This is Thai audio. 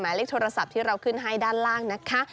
เลขโทรศัพท์ที่เราขึ้นให้ด้านล่างนะคะ